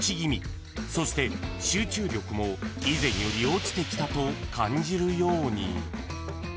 ［そして集中力も以前より落ちてきたと感じるように］